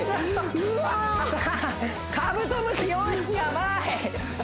うわカブトムシ４匹やばい！